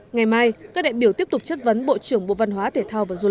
ngày mai các đại biểu tiếp tục chất vấn bộ trưởng bộ văn hóa thể thao và du lịch